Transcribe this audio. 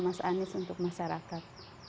mas anis untuk masyarakat